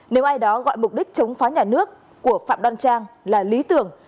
nếu ai đó gọi mục đích chống phá nhà nước của phạm đoan trang là lý tưởng